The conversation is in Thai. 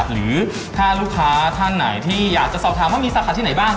หรือถ้าลูกค้าท่านไหนที่อยากจะสอบถามว่ามีสาขาที่ไหนบ้าง